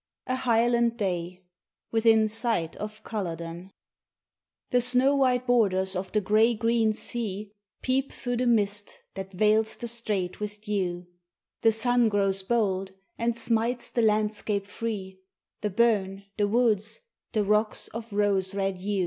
XII A HIGHLAND DAY WITHIN SIGHT OF CULLODEN THE snow white borders of the grey green sea Peep through the mist that veils the strait with dew, The sun grows bold and smites the landscape free, The burn, the woods, the rocks of rose red hue.